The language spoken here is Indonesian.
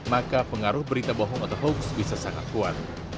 maka pengaruh berita bohong atau hoax bisa sangat kuat